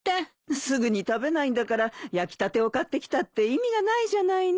すぐに食べないんだから焼きたてを買ってきたって意味がないじゃないの。